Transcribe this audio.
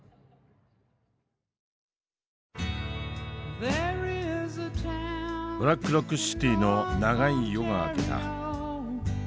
ブラックロック・シティの長い夜が明けた。